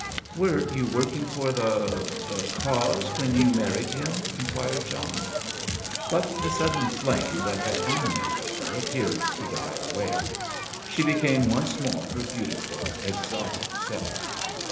"Were you working for the—the cause when you married him?" inquired John. But the sudden flame that had animated her appeared to die away; she became once more her beautiful exotic self.